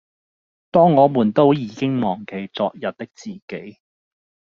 當我們都已經忘記昨日的自己